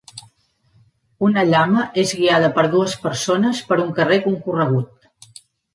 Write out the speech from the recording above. Una llama és guiada per dues persones per un carrer concorregut.